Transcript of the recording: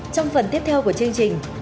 trong phần tiếp theo của chương trình